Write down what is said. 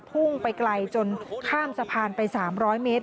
พุ่งไปไกลจนข้ามสะพานไป๓๐๐เมตร